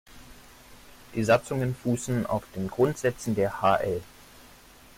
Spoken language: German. Die Satzungen fußen auf den Grundsätzen der hl.